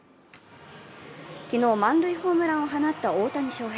昨日満塁ホームランを放った大谷翔平。